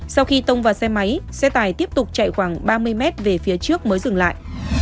sau khi tông vào xe máy xe tải tiếp tục chạy khoảng ba mươi mét về phía trước mới dừng lại